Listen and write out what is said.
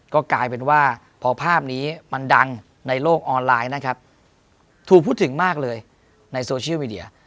ก็กลายเป็นว่าพอภาพนี้มันดังในโลกออนไลน์นะครับถูกพูดถึงมากเลยในโซเชียลมีเดีย